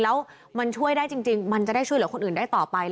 แล้วมันช่วยได้จริงมันจะได้ช่วยเหลือคนอื่นได้ต่อไป